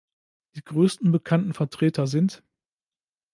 Die größten bekannten Vertreter sind